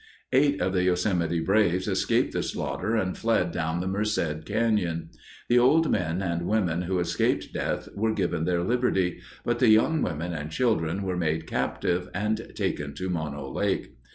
Eight of the Yosemite braves escaped the slaughter and fled down the Merced Canyon. The old men and women who escaped death were given their liberty, but the young women and children were made captive and taken to Mono Lake.